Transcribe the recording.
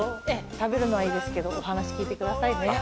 食べるのはいいですけどお話聞いてくださいね。